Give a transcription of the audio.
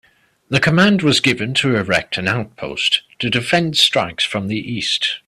The command was given to erect an outpost to defend strikes from the east.